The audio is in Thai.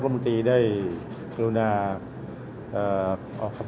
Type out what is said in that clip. สวัสดีครับ